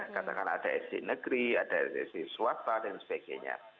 katakan ada sd negeri ada sd swasta dan sebagainya